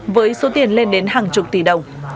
với số tiền lên đến hàng chục tỷ đồng